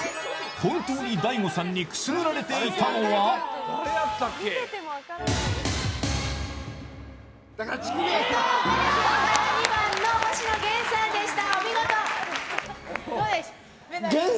本当に大悟さんにくすぐられていたのは２番の星野源さんでした。